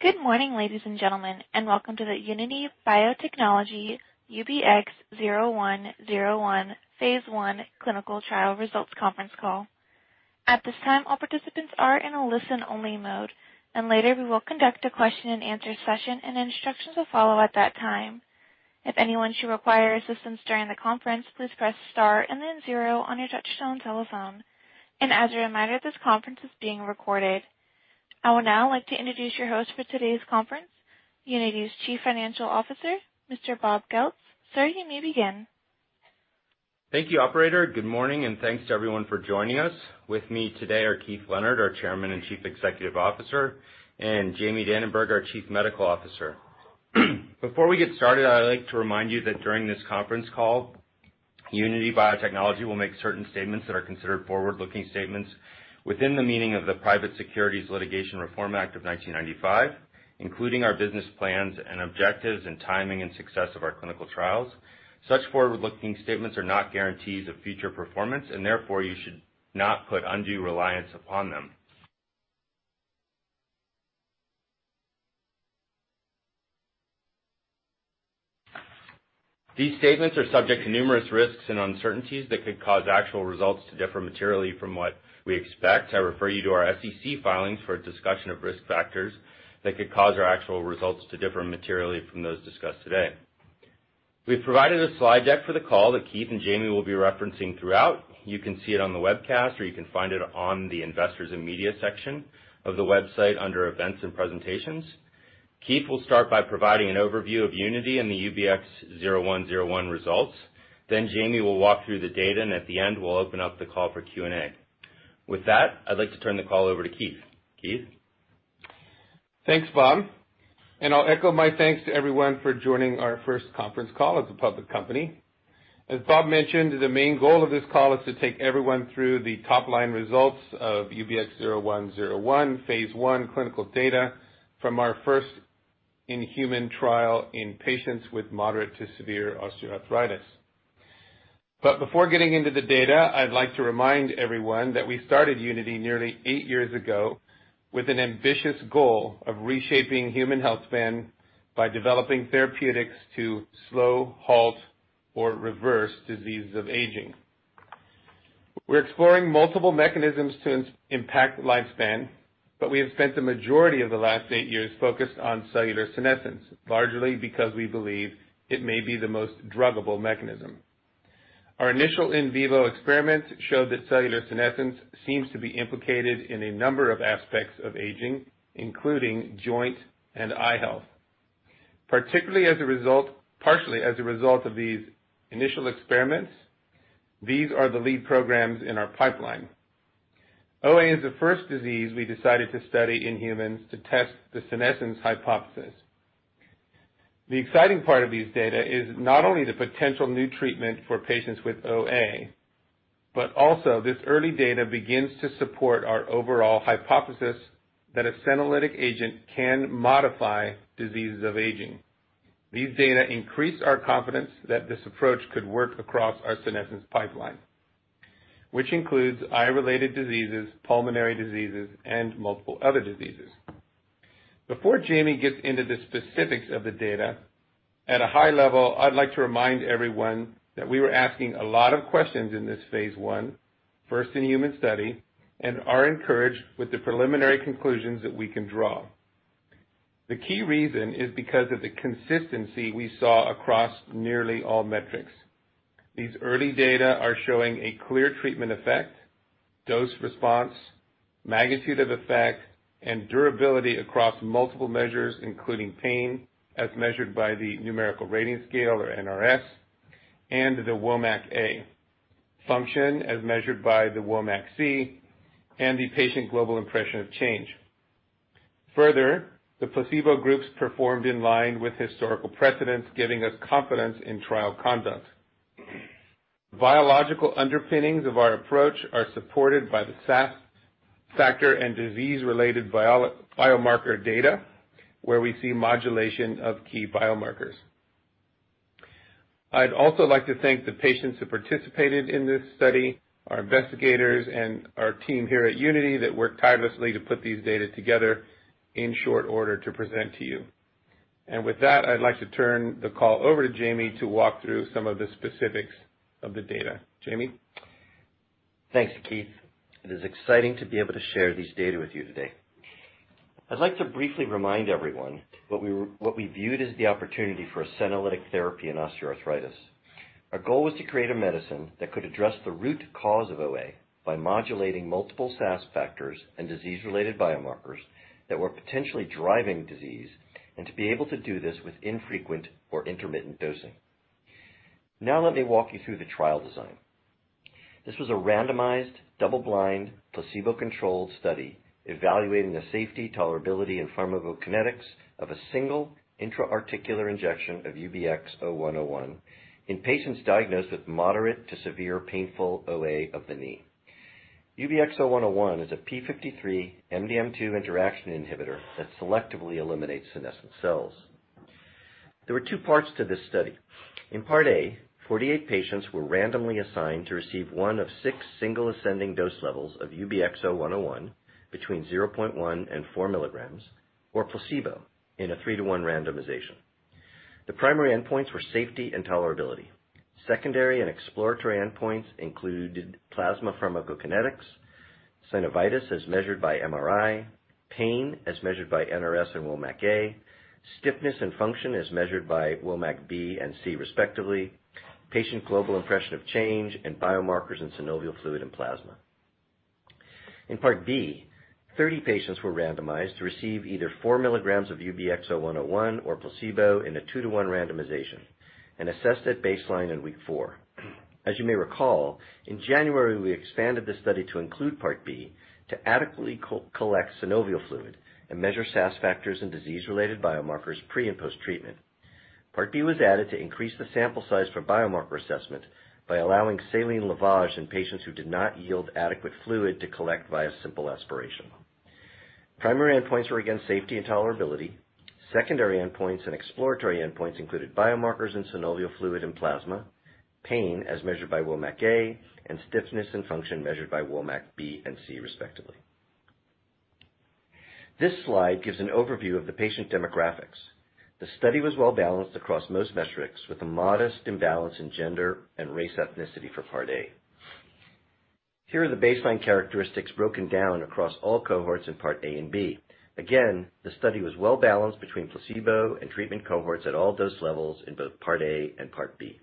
Good morning, ladies and gentlemen, welcome to the Unity Biotechnology UBX0101 phase I clinical trial results conference call. At this time, all participants are in a listen-only mode, later we will conduct a question and answer session, and instructions will follow at that time. If anyone should require assistance during the conference, please press star and then zero on your touch-tone telephone. As a reminder, this conference is being recorded. I would now like to introduce your host for today's conference, Unity's Chief Financial Officer, Mr. Bob Goeltz. Sir, you may begin. Thank you, operator. Good morning, thanks to everyone for joining us. With me today are Keith Leonard, our Chairman and Chief Executive Officer, and Jamie Dananberg, our Chief Medical Officer. Before we get started, I'd like to remind you that during this conference call, Unity Biotechnology will make certain statements that are considered forward-looking statements within the meaning of the Private Securities Litigation Reform Act of 1995, including our business plans and objectives and timing and success of our clinical trials. Such forward-looking statements are not guarantees of future performance, therefore, you should not put undue reliance upon them. These statements are subject to numerous risks and uncertainties that could cause actual results to differ materially from what we expect. I refer you to our SEC filings for a discussion of risk factors that could cause our actual results to differ materially from those discussed today. We've provided a slide deck for the call that Keith and Jamie will be referencing throughout. You can see it on the webcast, or you can find it on the Investors and Media section of the website under Events and Presentations. Keith will start by providing an overview of Unity and the UBX0101 results. Jamie will walk through the data, at the end, we'll open up the call for Q&A. With that, I'd like to turn the call over to Keith. Keith? Thanks, Bob. I'll echo my thanks to everyone for joining our first conference call as a public company. As Bob mentioned, the main goal of this call is to take everyone through the top-line results of UBX0101 phase I clinical data from our first in-human trial in patients with moderate to severe osteoarthritis. Before getting into the data, I'd like to remind everyone that we started Unity nearly eight years ago with an ambitious goal of reshaping human health span by developing therapeutics to slow, halt, or reverse diseases of aging. We're exploring multiple mechanisms to impact lifespan, we have spent the majority of the last eight years focused on cellular senescence, largely because we believe it may be the most druggable mechanism. Our initial in vivo experiments showed that cellular senescence seems to be implicated in a number of aspects of aging, including joint and eye health. Partially as a result of these initial experiments, these are the lead programs in our pipeline. OA is the first disease we decided to study in humans to test the senescence hypothesis. The exciting part of these data is not only the potential new treatment for patients with OA, but also this early data begins to support our overall hypothesis that a senolytic agent can modify diseases of aging. These data increase our confidence that this approach could work across our senescence pipeline, which includes eye-related diseases, pulmonary diseases, and multiple other diseases. Before Jamie gets into the specifics of the data, at a high level, I'd like to remind everyone that we were asking a lot of questions in this phase I first in-human study, are encouraged with the preliminary conclusions that we can draw. The key reason is because of the consistency we saw across nearly all metrics. These early data are showing a clear treatment effect, dose response, magnitude of effect, and durability across multiple measures, including pain as measured by the Numerical Rating Scale or NRS, and the WOMAC-A, function as measured by the WOMAC-C, and the Patient Global Impression of Change. Further, the placebo groups performed in line with historical precedents giving us confidence in trial conduct. Biological underpinnings of our approach are supported by the SASP factor and disease-related biomarker data, where we see modulation of key biomarkers. I'd also like to thank the patients who participated in this study, our investigators and our team here at Unity that worked tirelessly to put these data together in short order to present to you. With that, I'd like to turn the call over to Jamie to walk through some of the specifics of the data. Jamie? Thanks, Keith. It is exciting to be able to share these data with you today. I'd like to briefly remind everyone what we viewed as the opportunity for a senolytic therapy in osteoarthritis. Our goal was to create a medicine that could address the root cause of OA by modulating multiple SASP factors and disease-related biomarkers that were potentially driving disease, and to be able to do this with infrequent or intermittent dosing. Let me walk you through the trial design. This was a randomized, double-blind, placebo-controlled study evaluating the safety, tolerability, and pharmacokinetics of a single intra-articular injection of UBX0101 in patients diagnosed with moderate to severe painful OA of the knee. UBX0101 is a p53-MDM2 interaction inhibitor that selectively eliminates senescent cells. There were two parts to this study. In Part A, 48 patients were randomly assigned to receive one of six single ascending dose levels of UBX0101 between 0.1 and four milligrams or placebo in a three to one randomization. The primary endpoints were safety and tolerability. Secondary and exploratory endpoints included plasma pharmacokinetics, synovitis as measured by MRI, pain as measured by NRS and WOMAC-A, stiffness and function as measured by WOMAC-B and C, respectively, Patient Global Impression of Change, and biomarkers in synovial fluid and plasma. In Part B, 30 patients were randomized to receive either four milligrams of UBX0101 or placebo in a two to one randomization and assessed at baseline in week four. As you may recall, in January, we expanded the study to include Part B to adequately collect synovial fluid and measure SASP factors and disease-related biomarkers pre- and post-treatment. Part B was added to increase the sample size for biomarker assessment by allowing saline lavage in patients who did not yield adequate fluid to collect via simple aspiration. Primary endpoints were, again, safety and tolerability. Secondary endpoints and exploratory endpoints included biomarkers in synovial fluid and plasma, pain as measured by WOMAC-A, and stiffness and function measured by WOMAC-B and C, respectively. This slide gives an overview of the patient demographics. The study was well-balanced across most metrics, with a modest imbalance in gender and race ethnicity for Part A. Here are the baseline characteristics broken down across all cohorts in Part A and B. Again, the study was well-balanced between placebo and treatment cohorts at all those levels in both Part A and Part B.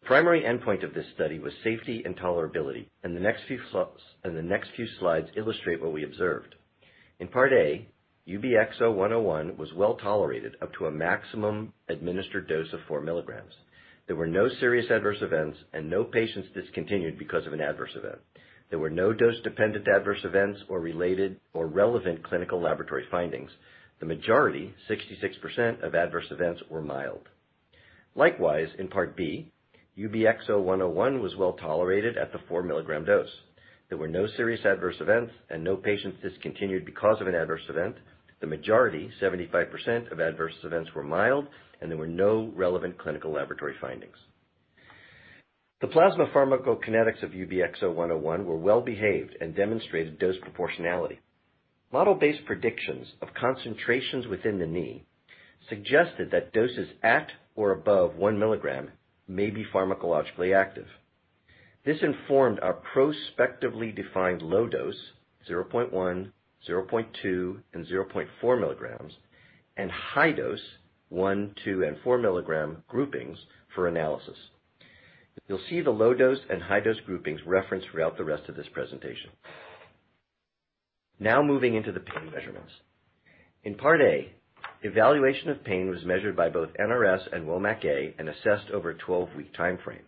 The primary endpoint of this study was safety and tolerability, and the next few slides illustrate what we observed. In Part A, UBX0101 was well-tolerated up to a maximum administered dose of four milligrams. There were no serious adverse events and no patients discontinued because of an adverse event. There were no dose-dependent adverse events or related or relevant clinical laboratory findings. The majority, 66%, of adverse events were mild. Likewise, in Part B, UBX0101 was well-tolerated at the four-milligram dose. There were no serious adverse events and no patients discontinued because of an adverse event. The majority, 75%, of adverse events were mild, and there were no relevant clinical laboratory findings. The plasma pharmacokinetics of UBX0101 were well-behaved and demonstrated dose proportionality. Model-based predictions of concentrations within the knee suggested that doses at or above one milligram may be pharmacologically active. This informed our prospectively defined low dose, 0.1, 0.2, and 0.4 milligrams, and high dose, one, two, and four milligram groupings for analysis. You'll see the low-dose and high-dose groupings referenced throughout the rest of this presentation. Moving into the pain measurements. In Part A, evaluation of pain was measured by both NRS and WOMAC-A and assessed over a 12-week time frame.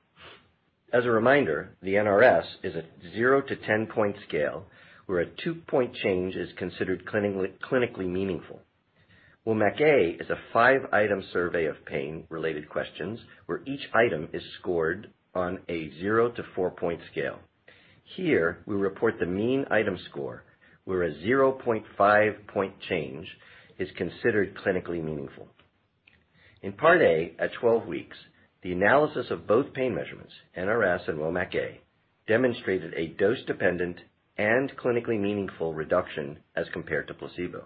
As a reminder, the NRS is a zero to 10-point scale, where a two-point change is considered clinically meaningful. WOMAC-A is a five-item survey of pain-related questions where each item is scored on a zero to four-point scale. Here, we report the mean item score, where a 0.5-point change is considered clinically meaningful. In Part A, at 12 weeks, the analysis of both pain measurements, NRS and WOMAC-A, demonstrated a dose-dependent and clinically meaningful reduction as compared to placebo.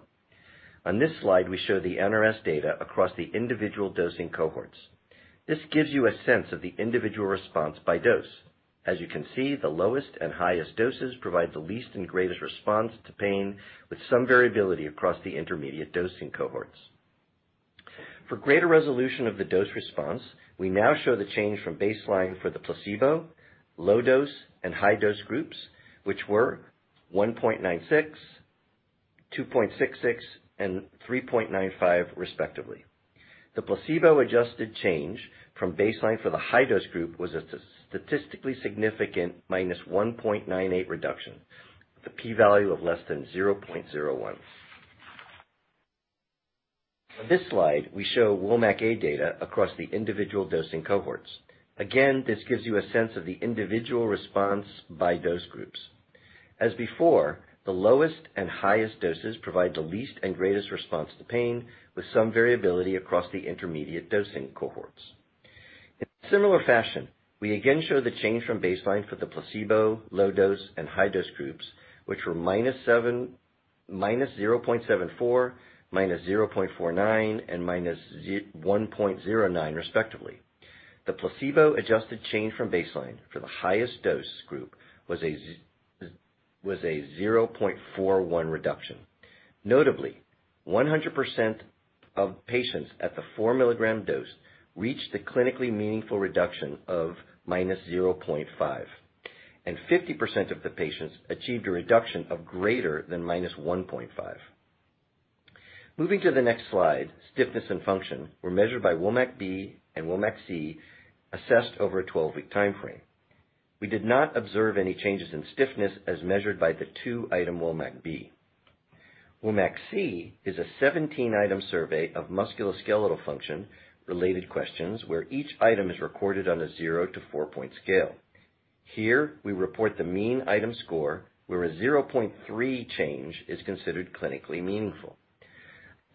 On this slide, we show the NRS data across the individual dosing cohorts. This gives you a sense of the individual response by dose. As you can see, the lowest and highest doses provide the least and greatest response to pain, with some variability across the intermediate dosing cohorts. For greater resolution of the dose response, we now show the change from baseline for the placebo, low-dose, and high-dose groups, which were 1.96, 2.66, and 3.95 respectively. The placebo-adjusted change from baseline for the high-dose group was a statistically significant -1.98 reduction, with a p-value of less than 0.01. On this slide, we show WOMAC-A data across the individual dosing cohorts. Again, this gives you a sense of the individual response by dose groups. As before, the lowest and highest doses provide the least and greatest response to pain, with some variability across the intermediate dosing cohorts. In similar fashion, we again show the change from baseline for the placebo, low-dose, and high-dose groups, which were -0.74, -0.49, and -1.09 respectively. The placebo-adjusted change from baseline for the highest dose group was a 0.41 reduction. Notably, 100% of patients at the 4-milligram dose reached the clinically meaningful reduction of -0.5, and 50% of the patients achieved a reduction of greater than -1.5. Moving to the next slide, stiffness and function were measured by WOMAC-B and WOMAC-C, assessed over a 12-week time frame. We did not observe any changes in stiffness as measured by the 2-item WOMAC-B. WOMAC-C is a 17-item survey of musculoskeletal function-related questions where each item is recorded on a 0 to 4-point scale. Here, we report the mean item score, where a 0.3 change is considered clinically meaningful.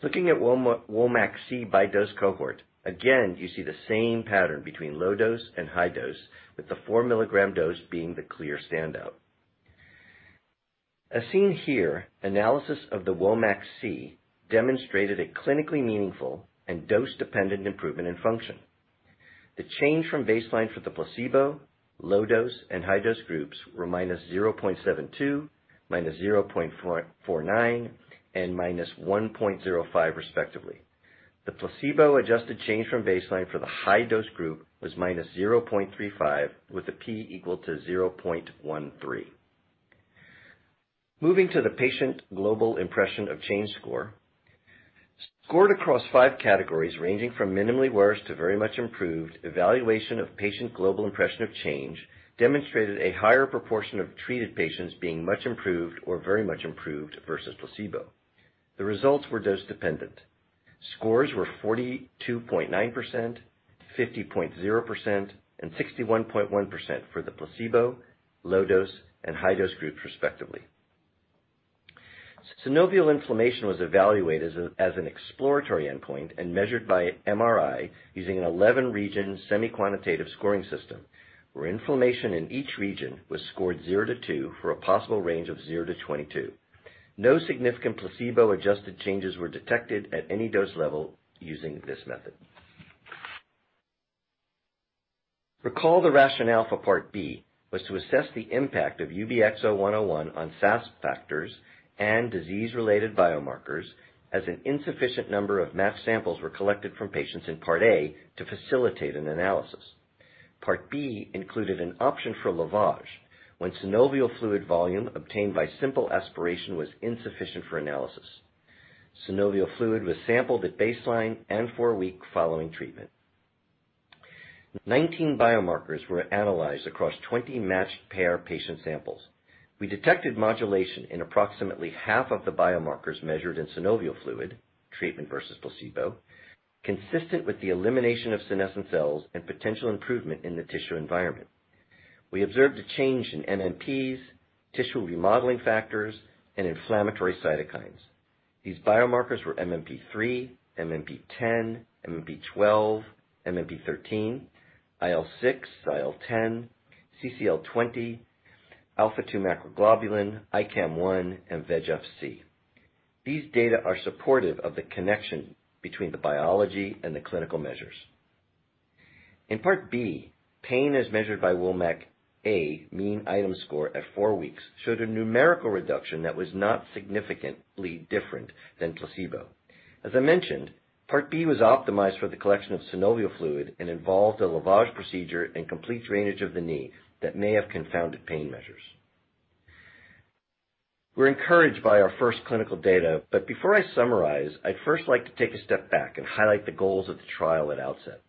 Looking at WOMAC-C by dose cohort, again, you see the same pattern between low dose and high dose, with the 4-milligram dose being the clear standout. As seen here, analysis of the WOMAC-C demonstrated a clinically meaningful and dose-dependent improvement in function. The change from baseline for the placebo, low-dose, and high-dose groups were -0.72, -0.49, and -1.05, respectively. The placebo-adjusted change from baseline for the high-dose group was -0.35, with a p equal to 0.13. Moving to the Patient Global Impression of Change score. Scored across five categories, ranging from minimally worse to very much improved, evaluation of Patient Global Impression of Change demonstrated a higher proportion of treated patients being much improved or very much improved versus placebo. The results were dose-dependent. Scores were 42.9%, 50.0%, and 61.1% for the placebo, low-dose, and high-dose groups, respectively. Synovial inflammation was evaluated as an exploratory endpoint and measured by MRI using an 11-region semi-quantitative scoring system, where inflammation in each region was scored 0 to 2 for a possible range of 0 to 22. No significant placebo-adjusted changes were detected at any dose level using this method. Recall the rationale for Part B was to assess the impact of UBX0101 on SASP factors and disease-related biomarkers, as an insufficient number of matched samples were collected from patients in Part A to facilitate an analysis. Part B included an option for lavage when synovial fluid volume obtained by simple aspiration was insufficient for analysis. Synovial fluid was sampled at baseline and 4 weeks following treatment. 19 biomarkers were analyzed across 20 matched pair patient samples. We detected modulation in approximately half of the biomarkers measured in synovial fluid, treatment versus placebo, consistent with the elimination of senescent cells and potential improvement in the tissue environment. We observed a change in MMPs, tissue remodeling factors, and inflammatory cytokines. These biomarkers were MMP3, MMP10, MMP12, MMP13, IL6, IL10, CCL20, alpha-2-macroglobulin, ICAM-1, and VEGF-C. These data are supportive of the connection between the biology and the clinical measures. In Part B, pain as measured by WOMAC-A mean item score at four weeks showed a numerical reduction that was not significantly different than placebo. As I mentioned, Part B was optimized for the collection of synovial fluid and involved a lavage procedure and complete drainage of the knee that may have confounded pain measures. We're encouraged by our first clinical data, but before I summarize, I'd first like to take a step back and highlight the goals of the trial at outset.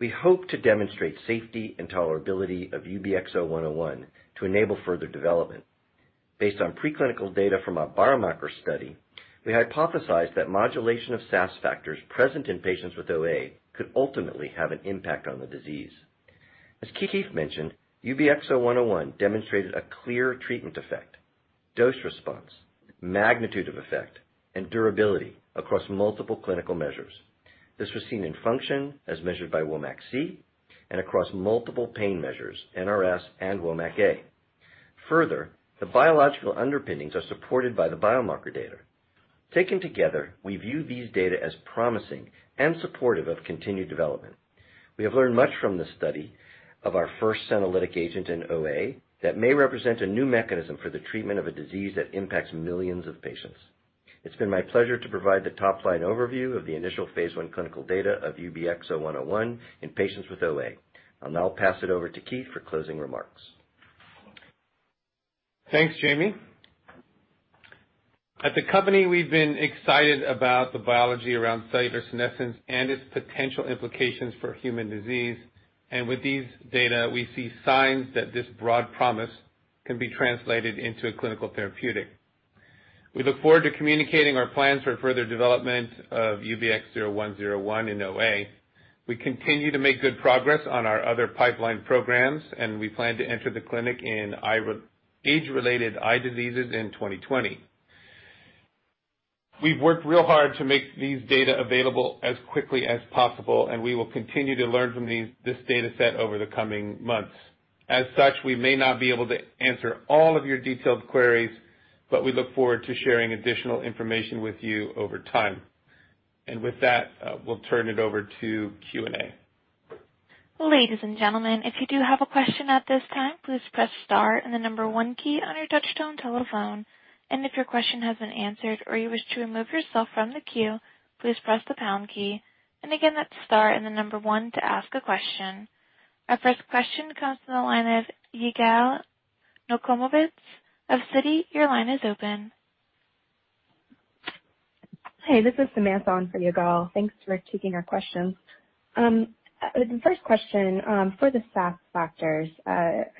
We hope to demonstrate safety and tolerability of UBX0101 to enable further development. Based on preclinical data from our biomarker study, we hypothesized that modulation of SASP factors present in patients with OA could ultimately have an impact on the disease. As Keith mentioned, UBX0101 demonstrated a clear treatment effect, dose response, magnitude of effect, and durability across multiple clinical measures. This was seen in function as measured by WOMAC-C and across multiple pain measures, NRS and WOMAC-A. Further, the biological underpinnings are supported by the biomarker data. Taken together, we view these data as promising and supportive of continued development. We have learned much from this study of our first senolytic agent in OA that may represent a new mechanism for the treatment of a disease that impacts millions of patients. It's been my pleasure to provide the top-line overview of the initial phase I clinical data of UBX0101 in patients with OA. I'll now pass it over to Keith for closing remarks. Thanks, Jamie. At the company, we've been excited about the biology around cellular senescence and its potential implications for human disease. With these data, we see signs that this broad promise can be translated into a clinical therapeutic. We look forward to communicating our plans for further development of UBX0101 in OA. We continue to make good progress on our other pipeline programs, and we plan to enter the clinic in age-related eye diseases in 2020. We've worked real hard to make these data available as quickly as possible, and we will continue to learn from this data set over the coming months. As such, we may not be able to answer all of your detailed queries, but we look forward to sharing additional information with you over time. With that, we'll turn it over to Q&A. Ladies and gentlemen, if you do have a question at this time, please press star and the number 1 key on your touch-tone telephone. If your question has been answered or you wish to remove yourself from the queue, please press the pound key. Again, that's star and the number 1 to ask a question. Our first question comes from the line of Yigal Nochomovitz of Citigroup. Your line is open. Hey, this is Samantha in for Yigal. Thanks for taking our questions. The first question for the SASP factors.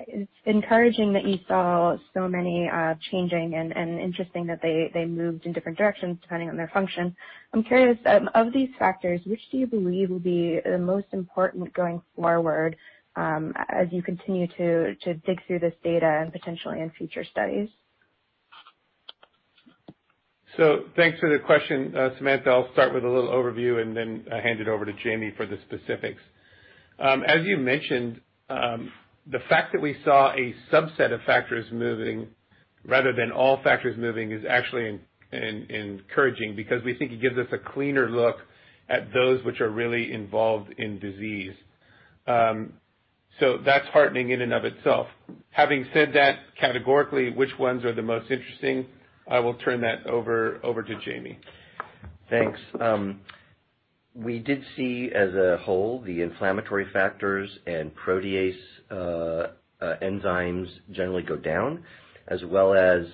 It's encouraging that you saw so many changing and interesting that they moved in different directions depending on their function. I'm curious, of these factors, which do you believe will be the most important going forward, as you continue to dig through this data and potentially in future studies? Thanks for the question, Samantha. I'll start with a little overview and then hand it over to Jamie for the specifics. As you mentioned, the fact that we saw a subset of factors moving rather than all factors moving is actually encouraging, because we think it gives us a cleaner look at those which are really involved in disease. That's heartening in and of itself. Having said that, categorically, which ones are the most interesting? I will turn that over to Jamie. Thanks. We did see, as a whole, the inflammatory factors and protease enzymes generally go down, as well as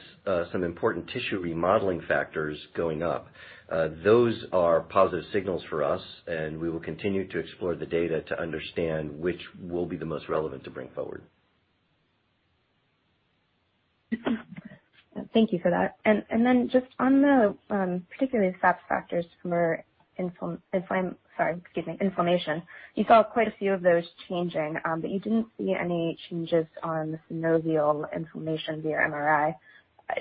some important tissue remodeling factors going up. Those are positive signals for us, and we will continue to explore the data to understand which will be the most relevant to bring forward. Thank you for that. Just on the particular SASP factors for inflammation, you saw quite a few of those changing, but you didn't see any changes on the synovial inflammation via MRI.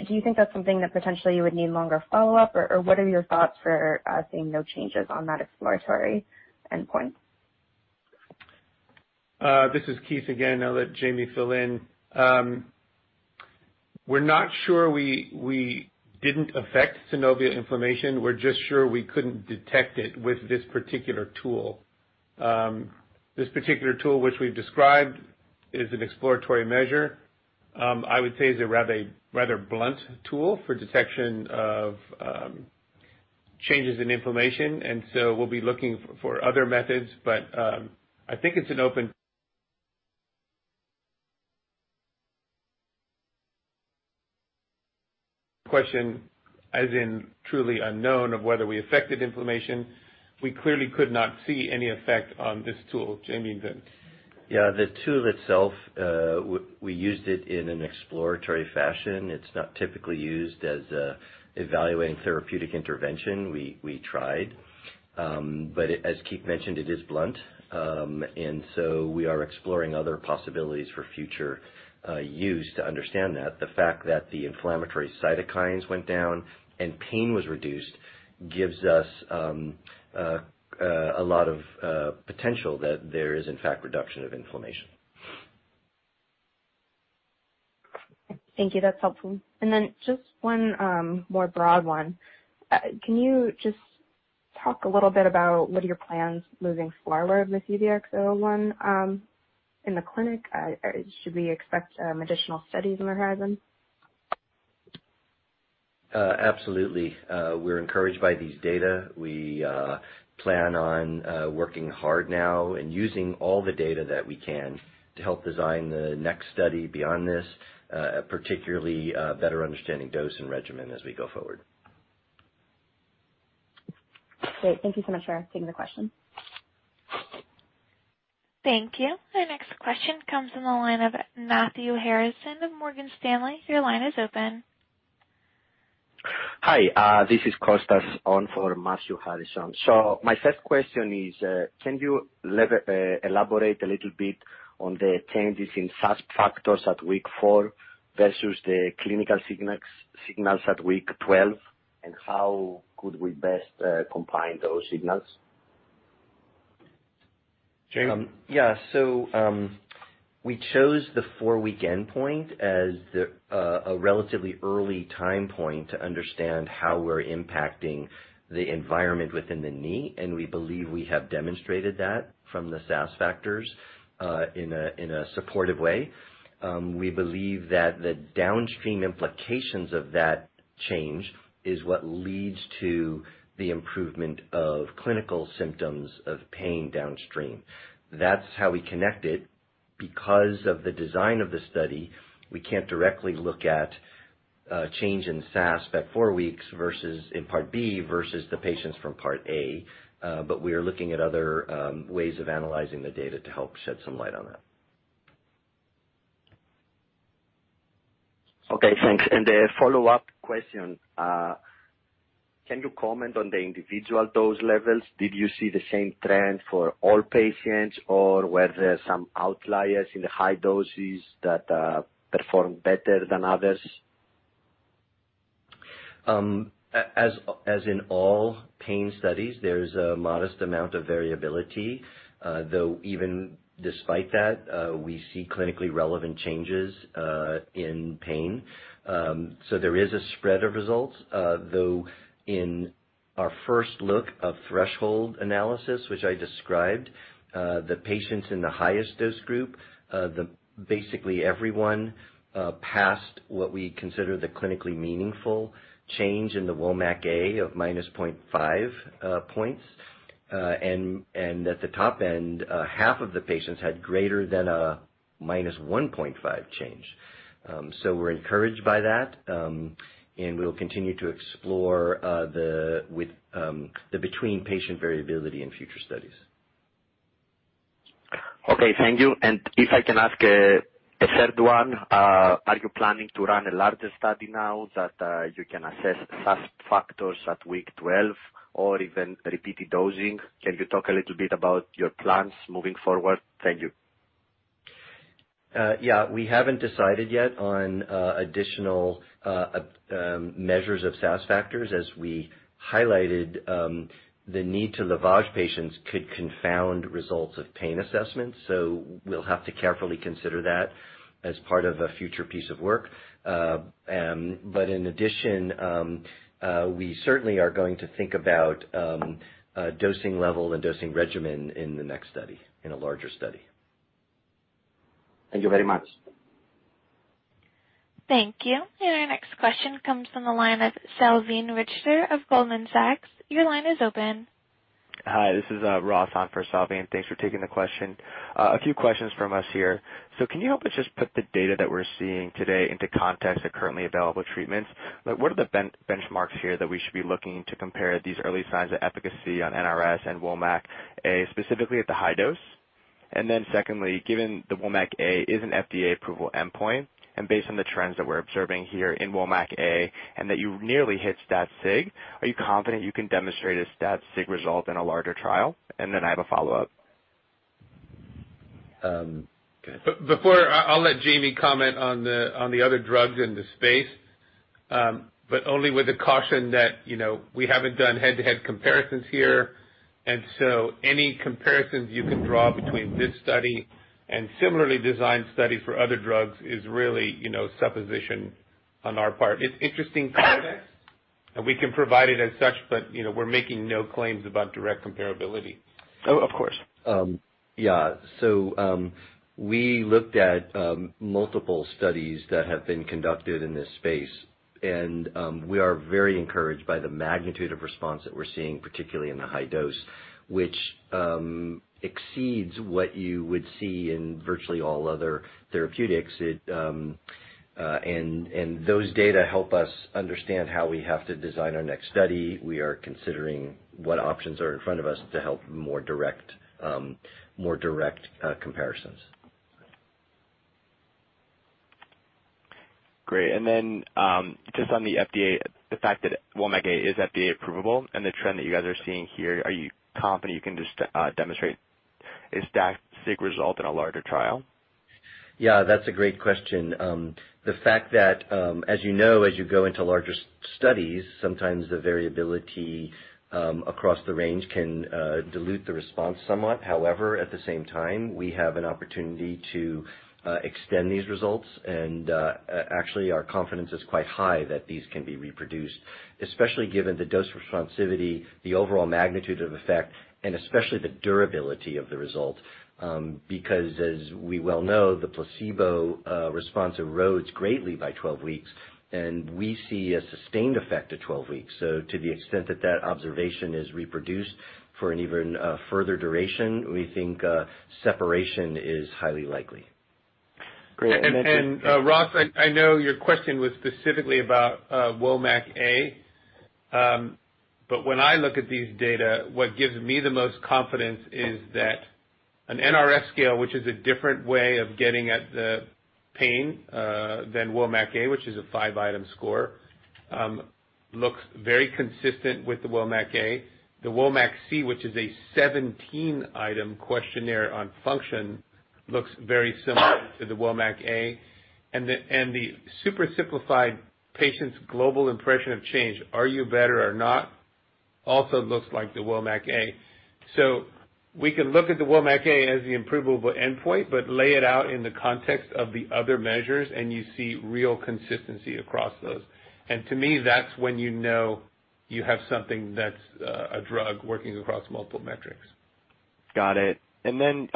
Do you think that's something that potentially you would need longer follow-up, or what are your thoughts for seeing no changes on that exploratory endpoint? This is Keith again. I'll let Jamie fill in. We're not sure we didn't affect synovial inflammation. We're just sure we couldn't detect it with this particular tool. This particular tool, which we've described, is an exploratory measure. I would say is a rather blunt tool for detection of changes in inflammation. We'll be looking for other methods. I think it's an open question, as in truly unknown of whether we affected inflammation. We clearly could not see any effect on this tool. Jamie, go ahead. Yeah. The tool itself, we used it in an exploratory fashion. It's not typically used as evaluating therapeutic intervention. We tried. As Keith mentioned, it is blunt. We are exploring other possibilities for future use to understand that. The fact that the inflammatory cytokines went down and pain was reduced gives us a lot of potential that there is, in fact, a reduction of inflammation. Thank you. That's helpful. Just one more broad one. Can you just talk a little bit about what are your plans moving forward wit`h UBX0101 in the clinic? Should we expect additional studies on the horizon? Absolutely. We're encouraged by these data. We plan on working hard now and using all the data that we can to help design the next study beyond this, particularly better understanding dose and regimen as we go forward. Great. Thank you so much for taking the question. Thank you. The next question comes from the line of Matthew Harrison of Morgan Stanley. Your line is open. Hi. This is Kostas on for Matthew Harrison. My first question is, can you elaborate a little bit on the changes in SASP factors at week 4 versus the clinical signals at week 12, and how could we best combine those signals? Jamie? Yeah. We chose the 4-week endpoint as a relatively early time point to understand how we're impacting the environment within the knee, and we believe we have demonstrated that from the SASP factors in a supportive way. We believe that the downstream implications of that change is what leads to the improvement of clinical symptoms of pain downstream. That's how we connect it. Because of the design of the study, we can't directly look at change in SASP at 4 weeks in Part B versus the patients from Part A. We are looking at other ways of analyzing the data to help shed some light on that. Okay, thanks. A follow-up question. Can you comment on the individual dose levels? Did you see the same trend for all patients, or were there some outliers in the high doses that performed better than others? As in all pain studies, there's a modest amount of variability, though even despite that, we see clinically relevant changes in pain. There is a spread of results, though in our first look of threshold analysis, which I described, the patients in the highest dose group, basically everyone passed what we consider the clinically meaningful change in the WOMAC-A of -0.5 points. At the top end, half of the patients had greater than a -1.5 change. We're encouraged by that, and we'll continue to explore the between-patient variability in future studies. Okay, thank you. If I can ask a third one, are you planning to run a larger study now that you can assess SASP factors at week 12 or even repeated dosing? Can you talk a little bit about your plans moving forward? Thank you. Yeah. We haven't decided yet on additional measures of SASP factors. As we highlighted, the need to lavage patients could confound results of pain assessments. We'll have to carefully consider that as part of a future piece of work. In addition, we certainly are going to think about dosing level and dosing regimen in the next study, in a larger study. Thank you very much. Thank you. Our next question comes from the line of Salveen Richter of Goldman Sachs. Your line is open. Hi, this is Ross on for Salveen. Thanks for taking the question. A few questions from us here. Can you help us just put the data that we're seeing today into context of currently available treatments? What are the benchmarks here that we should be looking to compare these early signs of efficacy on NRS and WOMAC, specifically at the high dose? Secondly, given the WOMAC-A is an FDA approval endpoint, based on the trends that we're observing here in WOMAC-A, that you nearly hit stat sig, are you confident you can demonstrate a stat sig result in a larger trial? I have a follow-up. Go ahead. Before, I'll let Jamie comment on the other drugs in the space, but only with the caution that we haven't done head-to-head comparisons here. Any comparisons you can draw between this study and similarly designed studies for other drugs is really supposition on our part. It's interesting context, and we can provide it as such, but we're making no claims about direct comparability. Oh, of course. Yeah. We looked at multiple studies that have been conducted in this space, and we are very encouraged by the magnitude of response that we're seeing, particularly in the high dose, which exceeds what you would see in virtually all other therapeutics. Those data help us understand how we have to design our next study. We are considering what options are in front of us to help more direct comparisons. Great. Just on the FDA, the fact that WOMAC-A is FDA approvable and the trend that you guys are seeing here, are you confident you can just demonstrate a stat sig result in a larger trial? Yeah, that's a great question. The fact that, as you know, as you go into larger studies, sometimes the variability across the range can dilute the response somewhat. However, at the same time, we have an opportunity to extend these results. Actually, our confidence is quite high that these can be reproduced, especially given the dose responsivity, the overall magnitude of effect, and especially the durability of the result. Because as we well know, the placebo response erodes greatly by 12 weeks, and we see a sustained effect at 12 weeks. To the extent that that observation is reproduced for an even further duration, we think separation is highly likely. Great. Just- Ross, I know your question was specifically about WOMAC-A. When I look at these data, what gives me the most confidence is that an NRS scale, which is a different way of getting at the pain than WOMAC-A, which is a five-item score, looks very consistent with the WOMAC-A. The WOMAC-C, which is a 17-item questionnaire on function, looks very similar to the WOMAC-A. The super simplified Patient Global Impression of Change, are you better or not, also looks like the WOMAC-A. We can look at the WOMAC-A as the approvable endpoint, but lay it out in the context of the other measures, and you see real consistency across those. To me, that's when you know you have something that's a drug working across multiple metrics. Got it. Given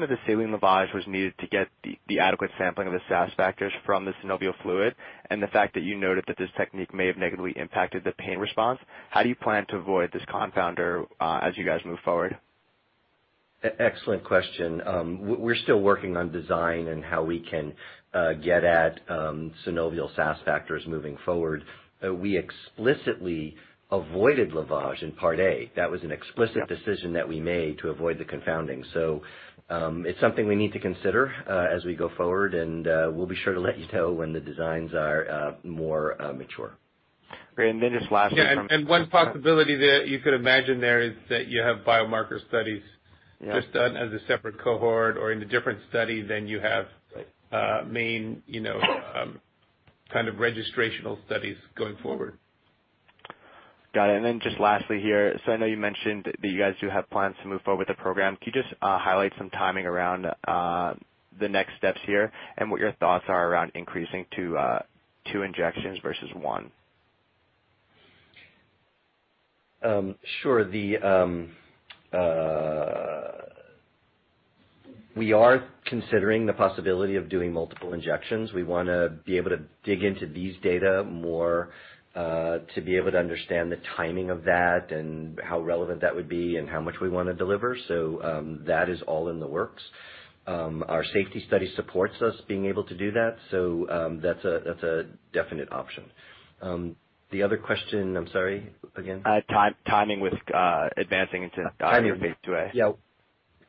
that the saline lavage was needed to get the adequate sampling of the SASP factors from the synovial fluid, and the fact that you noted that this technique may have negatively impacted the pain response, how do you plan to avoid this confounder as you guys move forward? Excellent question. We're still working on design and how we can get at synovial SASP factors moving forward. We explicitly avoided lavage in Part A. That was an explicit decision that we made to avoid the confounding. It's something we need to consider as we go forward, and we'll be sure to let you know when the designs are more mature. Great. Then just lastly from- One possibility that you could imagine there is that you have biomarker studies- Yeah just done as a separate cohort or in a different study than you have- Right main kind of registrational studies going forward. Got it. Just lastly here, so I know you mentioned that you guys do have plans to move forward with the program. Can you just highlight some timing around the next steps here and what your thoughts are around increasing to two injections versus one? Sure. We are considering the possibility of doing multiple injections. We want to be able to dig into these data more to be able to understand the timing of that and how relevant that would be and how much we want to deliver. That is all in the works. Our safety study supports us being able to do that, so that's a definite option. The other question, I'm sorry, again? Timing with advancing into phase IIa. Yeah.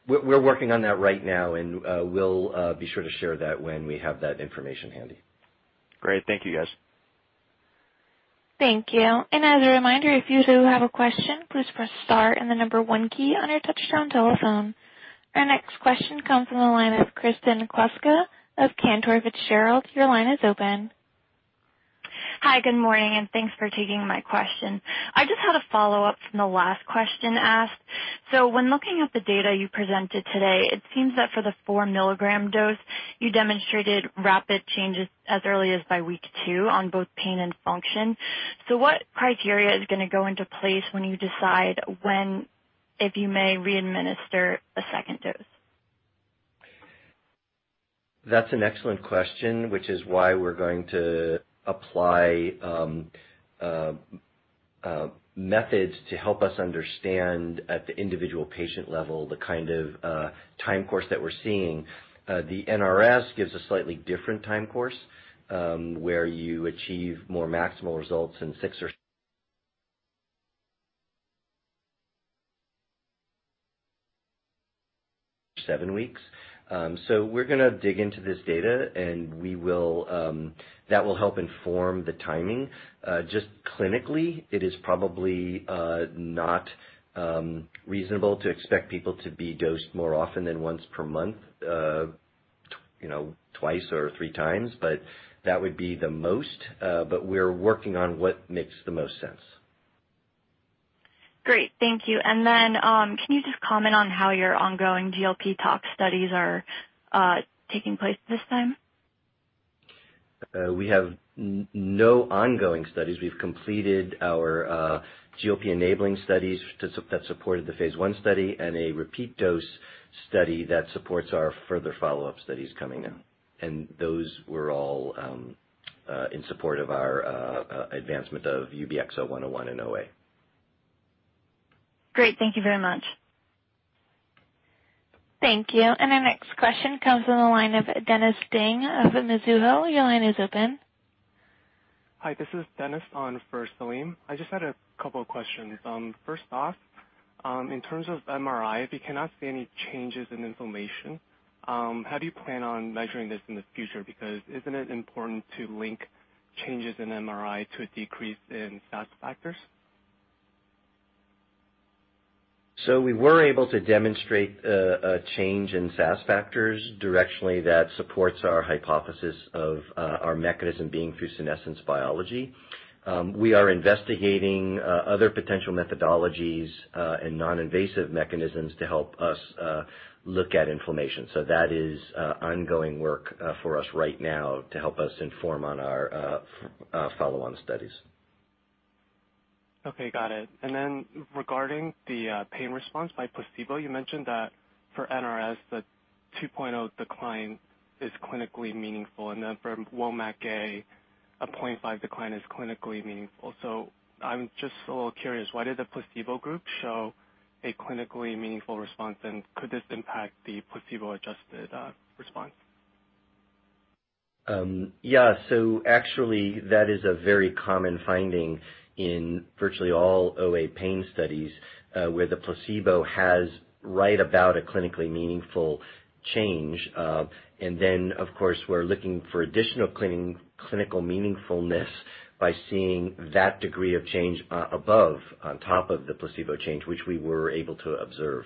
We're working on that right now, and we'll be sure to share that when we have that information handy. Great. Thank you, guys. Thank you. As a reminder, if you do have a question, please press star and the number 1 key on your touch-tone telephone. Our next question comes from the line of Kristen Kluska of Cantor Fitzgerald. Your line is open. Hi. Good morning, and thanks for taking my question. I just had a follow-up from the last question asked. When looking at the data you presented today, it seems that for the four-milligram dose, you demonstrated rapid changes as early as by week two on both pain and function. What criteria is going to go into place when you decide when, if you may, re-administer a second dose? That's an excellent question, which is why we're going to apply methods to help us understand at the individual patient level, the kind of time course that we're seeing. The NRS gives a slightly different time course, where you achieve more maximal results in six or seven weeks. We're going to dig into this data, and that will help inform the timing. Just clinically, it is probably not reasonable to expect people to be dosed more often than once per month, twice or three times. That would be the most, but we're working on what makes the most sense. Great. Thank you. Can you just comment on how your ongoing GLP tox studies are taking place at this time? We have no ongoing studies. We've completed our GLP-enabling studies that supported the phase I study and a repeat dose study that supports our further follow-up studies coming in. Those were all in support of our advancement of UBX0101 in OA. Great. Thank you very much. Thank you. Our next question comes from the line of Dennis Ding of Mizuho. Your line is open. Hi, this is Dennis on for Salim. I just had a couple of questions. First off, in terms of MRI, if you cannot see any changes in inflammation, how do you plan on measuring this in the future? Because isn't it important to link changes in MRI to a decrease in SASP factors? We were able to demonstrate a change in SASP factors directionally that supports our hypothesis of our mechanism being through senescence biology. We are investigating other potential methodologies and non-invasive mechanisms to help us look at inflammation. That is ongoing work for us right now to help us inform on our follow-on studies. Okay, got it. Then regarding the pain response by placebo, you mentioned that for NRS, the 2.0 decline is clinically meaningful, and then for WOMAC-A, a 0.5 decline is clinically meaningful. I'm just a little curious, why did the placebo group show a clinically meaningful response, and could this impact the placebo-adjusted response? Yeah. Actually, that is a very common finding in virtually all OA pain studies, where the placebo has right about a clinically meaningful change. Of course, we're looking for additional clinical meaningfulness by seeing that degree of change above on top of the placebo change, which we were able to observe.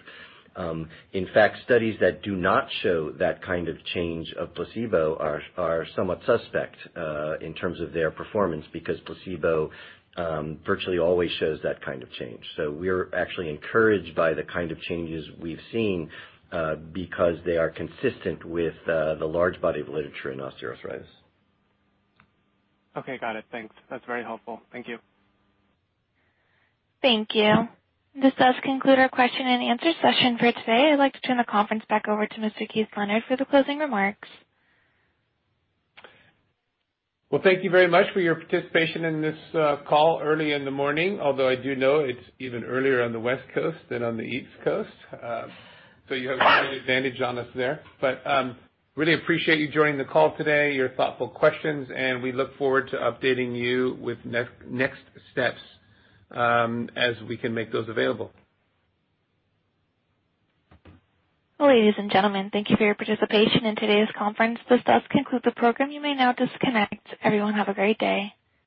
In fact, studies that do not show that kind of change of placebo are somewhat suspect, in terms of their performance, because placebo virtually always shows that kind of change. We're actually encouraged by the kind of changes we've seen, because they are consistent with the large body of literature in osteoarthritis. Okay, got it. Thanks. That's very helpful. Thank you. Thank you. This does conclude our question and answer session for today. I'd like to turn the conference back over to Mr. Keith Leonard for the closing remarks. Well, thank you very much for your participation in this call early in the morning, although I do know it's even earlier on the West Coast than on the East Coast, you have quite an advantage on us there. Really appreciate you joining the call today, your thoughtful questions, and we look forward to updating you with next steps, as we can make those available. Ladies and gentlemen, thank you for your participation in today's conference. This does conclude the program. You may now disconnect. Everyone, have a great day.